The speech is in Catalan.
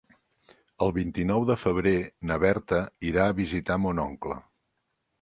El vint-i-nou de febrer na Berta irà a visitar mon oncle.